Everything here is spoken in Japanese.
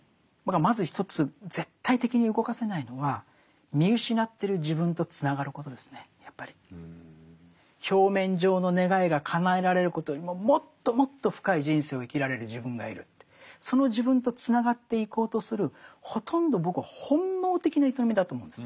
まず一つ絶対的に動かせないのは表面上の願いがかなえられることよりももっともっと深い人生を生きられる自分がいるってその自分とつながっていこうとするほとんど僕は本能的な営みだと思うんです。